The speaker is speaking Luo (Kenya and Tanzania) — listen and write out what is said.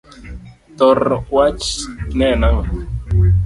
thor wach ne en ango?